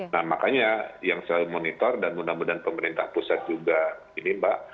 nah makanya yang saya monitor dan mudah mudahan pemerintah pusat juga ini mbak